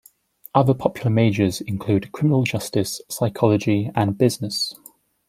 Other popular majors include Criminal Justice, Psychology, and Business.